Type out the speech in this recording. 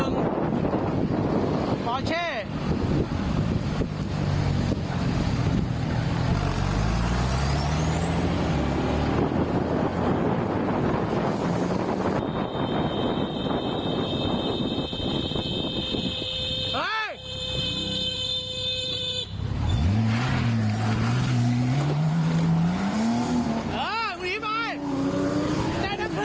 นี่ได้ทั้งคืนนั้น